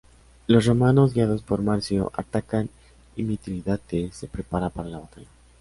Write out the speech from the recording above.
Los romanos, guiados por Marzio, atacan y Mitrídates se prepara para la batalla.